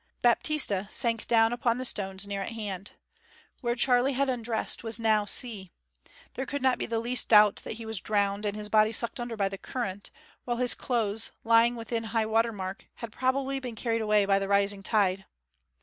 Baptista sank down upon the stones near at hand. Where Charley had undressed was now sea. There could not be the least doubt that he was drowned, and his body sucked under by the current; while his clothes, lying within high water mark, had probably been carried away by the rising tide.